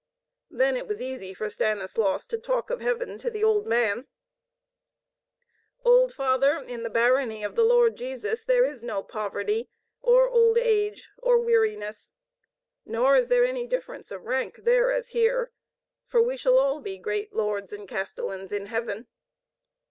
Then it was easy for Stanislaus to talk of heaven to the old man. "Old father, in the barony of the Lord Jesus there is no poverty or old age or weariness. Nor is there any difference of rank there as here, for we shall all be great lords and castellans in heaven."